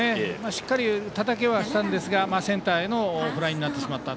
しっかり、たたけはしたんですがセンターへのフライになってしまった。